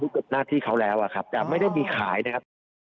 กับหน้าที่เขาแล้วอะครับแต่ไม่ได้มีขายนะครับ